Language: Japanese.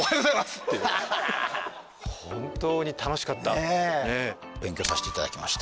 っていう本当に楽しかったねえ勉強させていただきました